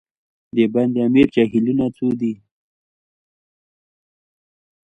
د بند امیر جهیلونه څو دي؟